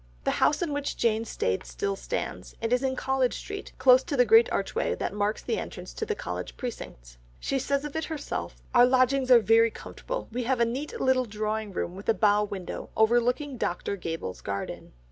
The house in which Jane stayed still stands, it is in College Street, close to the great archway that marks the entrance to the College precincts. She says of it herself, "Our lodgings are very comfortable, we have a neat little drawing room with a bow window overlooking Dr. Gabell's garden."